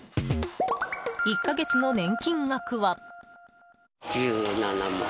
１か月の年金額は。